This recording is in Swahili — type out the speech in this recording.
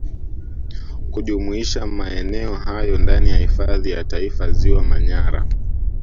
kujumuisha maeneo hayo ndani ya Hifadhi ya Taifa Ziwa Manyara